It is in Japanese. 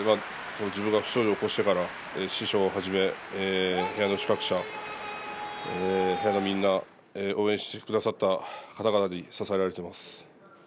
自分が不祥事を起こしてから師匠をはじめ、部屋の皆さん応援してくださった方々に支えられています。